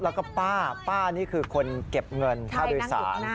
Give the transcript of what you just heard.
แล้วก็ป้าป้านี่คือคนเก็บเงินค่าโดยสาร